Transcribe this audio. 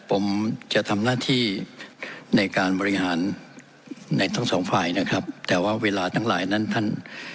ผมจะทำหน้าที่ในการบริหารในทั้งสองฝ่ายนะครับแต่ว่าเวลาทั้งหลายนั้นท่าน